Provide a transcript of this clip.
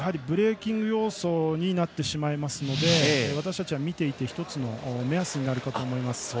ブレーキング要素になってしまいますので私たちが見ている１つの目安になるかと思います。